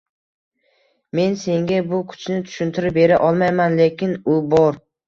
Men senga bu kuchni tushuntirib bera olmayman, lekin u bor.